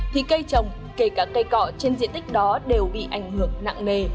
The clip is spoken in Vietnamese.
thì cây trồng kể cả cây cọ trên diện tích đó đều bị ảnh hưởng nặng nề